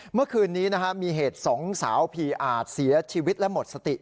เมื่อคืนนี้มีเหตุสองสาวพีอาจเสียชีวิตและหมดสติ